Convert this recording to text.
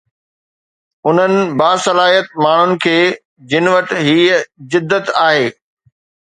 انهن باصلاحيت ماڻهن کي جن وٽ هي جدت آهي.